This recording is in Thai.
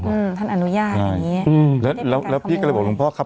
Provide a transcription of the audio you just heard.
อืมท่านอนุญาตอย่างงี้อืมแล้วแล้วพี่ก็เลยบอกหลวงพ่อครับ